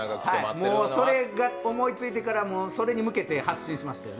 それが思いついてから、それに向けて発信しましたね。